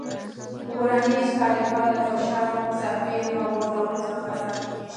ورنیز کالیپر له فشار، ضربې او غورځولو څخه ساتل کېږي.